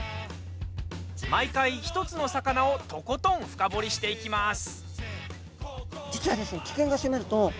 毎回、１つの魚をとことん深掘りしていきます。